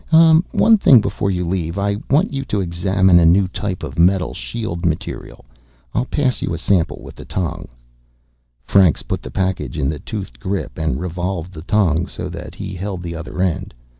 "One thing before you leave. I want you to examine a new type of metal shield material. I'll pass you a sample with the tong." Franks put the package in the toothed grip and revolved the tong so that he held the other end.